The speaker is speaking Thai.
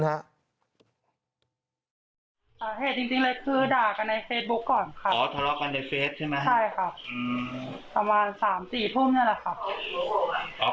สาเหตุจริงเลยคือด่ากันในเฟซบุ๊คก่อนค่ะอ๋อทะเลาะกันในเฟซใช่ไหมใช่ค่ะประมาณสามสี่ทุ่มนี่แหละค่ะ